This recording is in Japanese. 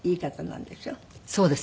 そうです。